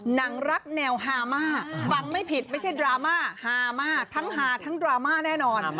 หนังรักแนวฮามาฟังไม่ผิดไม่ใช่ดราม่าฮามาทั้งฮาทั้งดราม่าแน่นอน